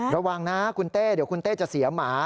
ระวังนะคุณเต้เดี๋ยวคุณเต้จะเสียหมา